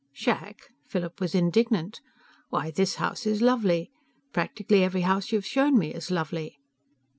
"Shack!" Philip was indignant. "Why, this house is lovely! Practically every house you've shown me is lovely.